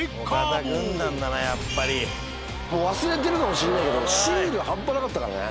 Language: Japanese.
もう忘れてるかもしんないけどシール半端なかったからね。